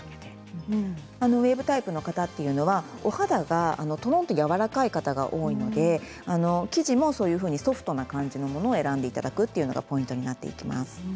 ウエーブタイプの方はお肌がとろんとやわらかい方が多いので生地もそういうふうにソフトな感じのものを選んでいただくのがポイントになってきます。